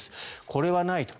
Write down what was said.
これはないと。